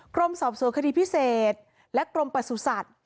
กรมสอบสวนคดีพิเศษและกรมประสุทธิ์